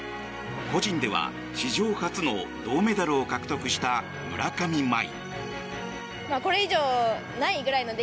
個人では史上初の銅メダルを獲得した村上茉愛。